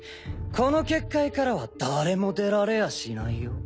この結界からは誰も出られやしないよ。